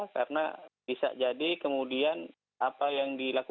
karena bisa jadi kemudian apa yang dilakukan